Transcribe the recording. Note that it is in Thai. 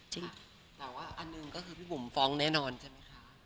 จริงแต่ว่าอันหนึ่งก็คือพี่บุ๋มฟ้องแน่นอนใช่ไหมคะ